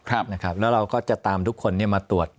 แล้วเราก็จะตามทุกคนมาตรวจ